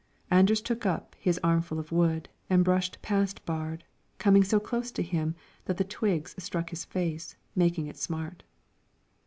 Anders took up his armful of wood, and brushed past Baard, coming so close to him that the twigs struck his face, making it smart.